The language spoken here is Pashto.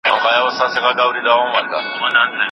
تاسو باید په خپلو چارو کي ډېر منظم سئ.